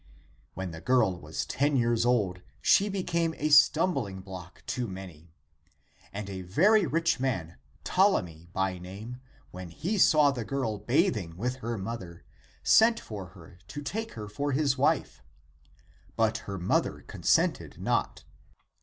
" When the girl was ten years old, she became a stumbling block to many. And a very rich man, Ptolemy by name, when he saw the girl bathing with her mother, sent for her to take her for his wife ; but her mother consented not.